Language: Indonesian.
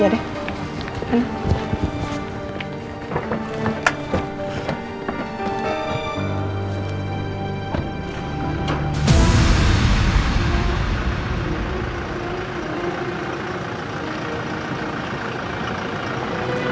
gue sudah sendiri